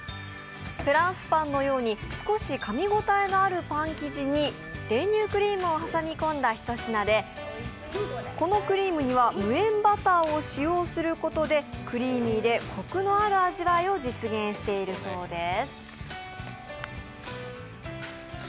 フランスパンのように少しかみ応えのあるパン生地に練乳クリームを挟み込んだ一品でこのクリームには無塩バターを使用することでクリーミーでこくのある味わいを実現しているそうです。